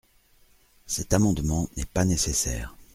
Cet amendement n’est pas nécessaire.